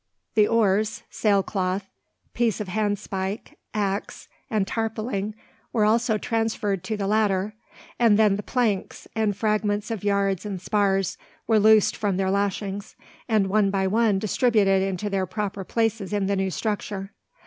The oars, sail cloth, piece of handspike, axe, and tarpauling were also transferred to the latter; and then the planks, and fragments of yards and spars, were loosed from their lashings, and one by one distributed into their proper places in the new structure.